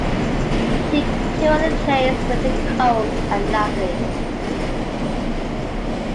She currently plays with The Cold and Lovely.